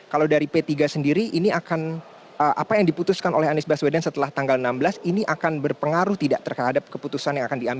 kalau dari p tiga sendiri ini akan apa yang diputuskan oleh anies baswedan setelah tanggal enam belas ini akan berpengaruh tidak terhadap keputusan yang akan diambil